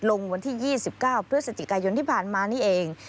วันที่๒๙พฤศจิกายนที่ผ่านมานี่เอง